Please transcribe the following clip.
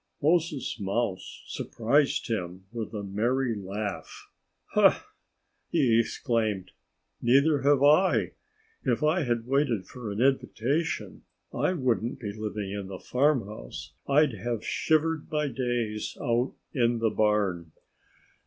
Moses Mouse surprised him with a merry laugh. "Ho!" he exclaimed. "Neither have I. If I had waited for an invitation I wouldn't be living in the farmhouse. I'd have shivered my days out in the barn."